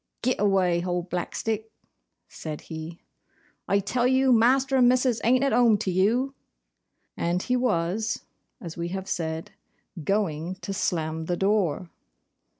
'Git away, hold Blackstick!' said he. 'I tell you, Master and Missis ain't at home to you;' and he was, as we have said, GOING to slam the door.